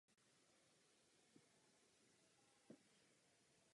Jeden objev pochází také ze svrchní jury nebo spodní křídy státu Uruguay.